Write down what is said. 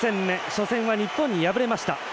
初戦は日本に敗れました。